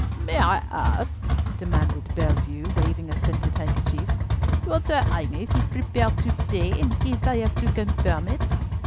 "May I ask," demanded Bellievre, waving a scented handkerchief, "what her Highness is prepared to say, in case I have to confirm it?"